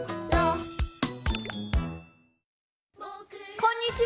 こんにちは！